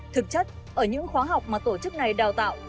thực chất ở những khóa học mà tổ chức này đào tạo